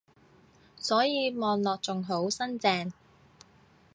所以望落仲好新淨